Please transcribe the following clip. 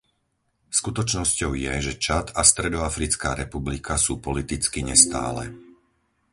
Skutočnosťou je, že Čad aj Stredoafrická republika sú politicky nestále.